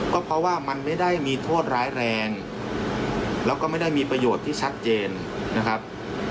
ก็เพราะว่ามันไม่ได้มีโทษร้ายแรงแล้วก็ไม่ได้มีประโยชน์ที่ชัดเจนนะครับ